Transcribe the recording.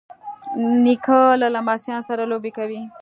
نیکه له لمسیانو سره لوبې کوي.